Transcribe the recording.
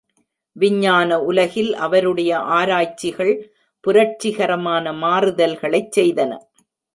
விஞ்ஞான உலகில் அவருடைய ஆராய்ச்சிகள் புரட்சிகரமான மாறுதல்களைச் செய்தன.